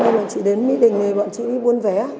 mỗi lần chị đến mỹ đình thì bọn chị đi buôn vé